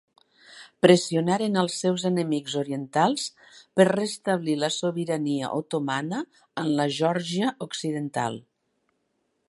Pressionaren els seus enemics orientals per restablir la sobirania otomana en la Geòrgia occidental.